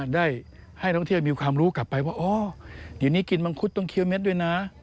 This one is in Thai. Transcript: ได้ให้ท่องเที่ยวมีความรู้กลับไปว่าอ๋อเดี๋ยวนี้กินมังคุดต้องเคี้ยเม็ดด้วยนะ